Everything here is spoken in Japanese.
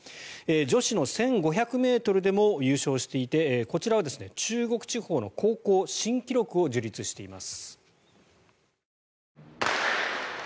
女子の１５００ｍでも優勝していてこちらは中国地方の高校新記録を樹立しています。